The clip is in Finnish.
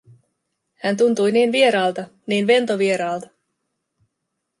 Hän tuntui niin vieraalta, niin ventovieraalta.